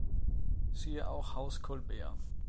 Siehe auch Haus Colbert